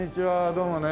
どうもね。